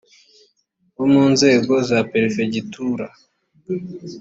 bo mu nzego za perefegitura